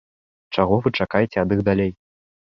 Чаго вы чакаеце ад іх далей?